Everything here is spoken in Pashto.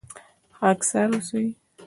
خاکسار اوسئ